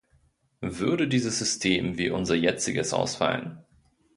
Würde dieses System wie unser jetziges ausfallen?